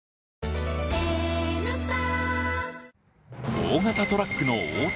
大型トラックの横転